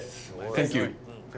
サンキュー。